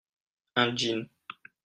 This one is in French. Un jean.